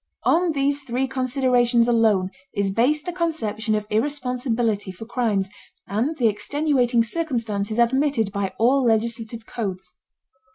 On these three considerations alone is based the conception of irresponsibility for crimes and the extenuating circumstances admitted by all legislative codes.